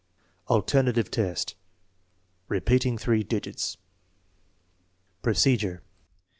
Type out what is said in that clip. HI. Alternative test : repeating three digits Procedure.